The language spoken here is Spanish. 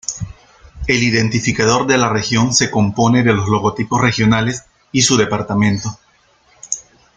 El identificador de la región se compone de los logotipos regionales y su departamento.